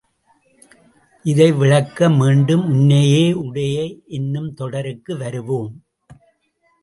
இதை விளக்க மீண்டும் உன்னையே உடைய என்னும் தொடருக்கு வருவோம்.